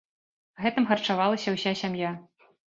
Гэтым харчавалася ўся сям'я.